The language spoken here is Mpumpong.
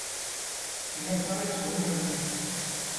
Mi tí ɛtɔ̄ ɓɛ̌ sukûl nɛ gup.